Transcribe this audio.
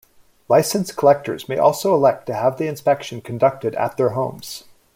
Licensed collectors may also elect to have the inspection conducted at their homes.